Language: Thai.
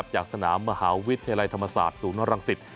จากสนามมหาวิทยาลัยธรรมศาสตร์ศูนย์รังสิต